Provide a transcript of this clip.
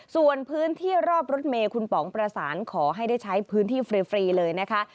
ส่วนพื้นที่รอบรถเมย์คุณป๋องประสานขอให้ได้ใช้พื้นที่ฟรีเลยนะคะ